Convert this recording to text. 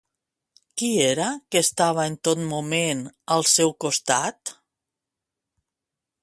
Qui era que estava en tot moment al seu costat?